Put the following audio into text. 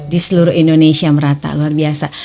di seluruh indonesia merata luar biasa